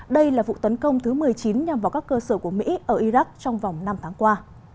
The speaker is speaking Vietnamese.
đây là vụ tấn công thứ một mươi chín nhằm vào các cơ sở của mỹ ở iraq trong vòng năm tháng qua